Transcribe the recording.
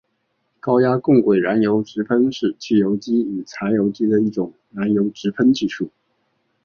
高压共轨燃油直喷是汽油机与柴油机的一种燃油直喷技术。